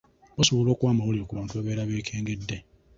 Basobola okuwa amawulire ku bantu be babeera beekengedde .